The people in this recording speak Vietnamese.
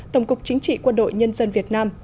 tổng cục chính trị quân đội nhân dân việt nam